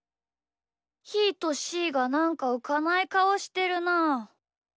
ひーとしーがなんかうかないかおしてるなあ。